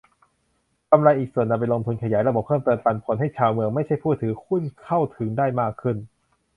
กำไรอีกส่วนนำไปลงทุนขยายระบบเพิ่มเติม "ปันผล" ให้ชาวเมือง ไม่ใช่ผู้ถือหุ้น เข้าถึงได้มากขึ้น